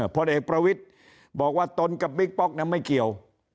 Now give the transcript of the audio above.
พลเอกประวิทย์บอกว่าตนกับบิ๊กป๊อกนั้นไม่เกี่ยว